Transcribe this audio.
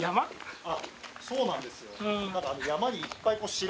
そうなんですよ。